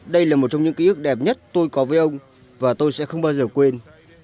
đây là một trong những ký ức đẹp nhất tôi có với ông và tôi sẽ không bao giờ quên